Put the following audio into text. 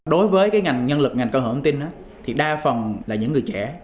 đối với ngành nhân lực ngành cơ hội thông tin thì đa phần là những người trẻ